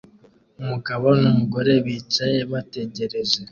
Umugabo numugore bicaye bategereje